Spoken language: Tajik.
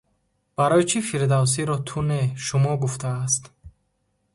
Барои чӣ Фирдавсиро ту не, шумо гуфтааст?